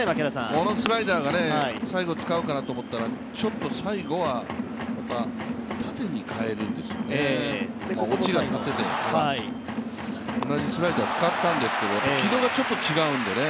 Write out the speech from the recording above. このスライダーを最後使うかなと思ったらちょっと最後は縦に変えるんですね、落ちが縦で、同じスライダーを使ったんですけど、軌道がちょっと違うんでね。